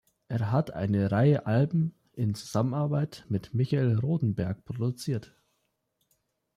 Er hat eine Reihe Alben in Zusammenarbeit mit Michael Rodenberg produziert.